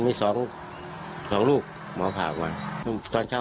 พ่อบอกว่าพ่อบอกว่า